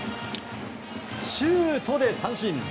シュートで三振。